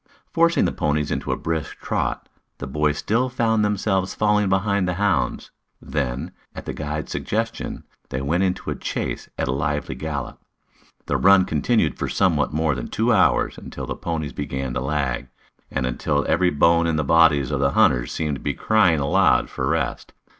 Forcing the ponies into a brisk trot, the boys still found themselves falling behind the hounds. Then, at the guide's suggestion, they went in chase at a lively gallop. The run continued for somewhat more than two hours, until the ponies began to lag, and until every bone in the bodies of the hunters seemed to be crying aloud for rest.